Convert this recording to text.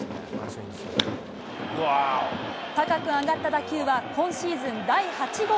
高く上がった打球は今シーズン第８号。